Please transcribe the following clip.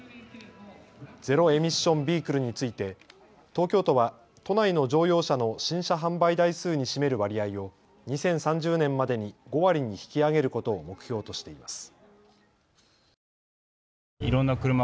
ゼロ・エミッション・ビークルについて東京都は都内の乗用車の新車販売台数に占める割合を２０３０年までに５割に引き上げることを目標としています。